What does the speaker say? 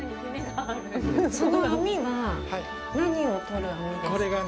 その網は何を取る網ですか？